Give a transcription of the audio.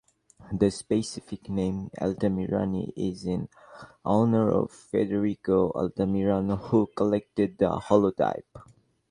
The specific name, "altamirani", is in honor of Federico Altamirano who collected the holotype.